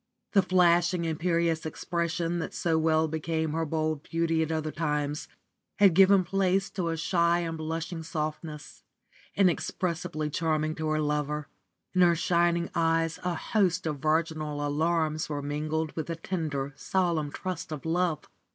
The flashing, imperious expression that so well became her bold beauty at other times had given place to a shy and blushing softness, inexpressibly charming to her lover. In her shining eyes a host of virginal alarms were mingled with the tender, solemn trust of love.